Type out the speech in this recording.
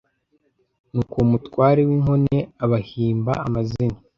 Nuko uwo mutware w’inkone abahimba amazina